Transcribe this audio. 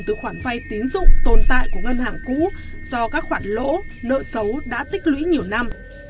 từ khoản vay tín dụng tồn tại của ngân hàng cũ do các khoản lỗ nợ xấu đã tích lũy nhiều năm